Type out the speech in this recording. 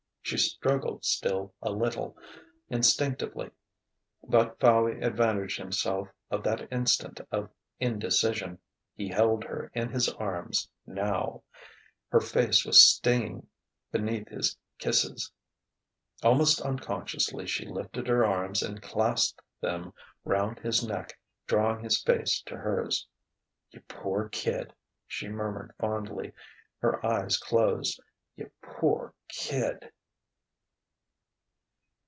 She struggled still a little, instinctively; but Fowey advantaged himself of that instant of indecision. He held her in his arms, now; her face was stinging beneath his kisses. Almost unconsciously, she lifted her arms and clasped them round his neck, drawing his face to hers. "You poor kid!" she murmured fondly, her eyes closed.... "You poor kid...."